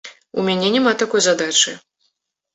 У мяне няма такой задачы.